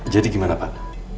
jadi gimana pak